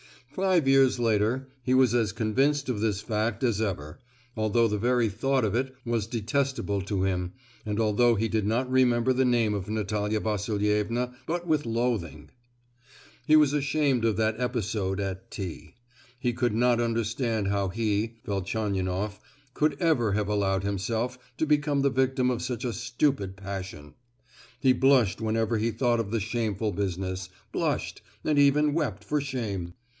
Five years later he was as convinced of this fact as ever, although the very thought of it was detestable to him, and although he did not remember the name of Natalia Vasilievna but with loathing. He was ashamed of that episode at T——. He could not understand how he (Velchaninoff) could ever have allowed himself to become the victim of such a stupid passion. He blushed whenever he thought of the shameful business—blushed, and even wept for shame.